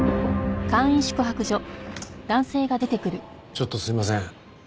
ちょっとすいません。